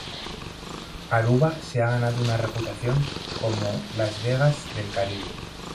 Aruba se ha ganado una reputación como "Las Vegas del Caribe.